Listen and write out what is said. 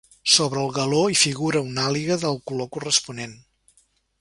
Sobre el galó hi figura una àliga del color corresponent.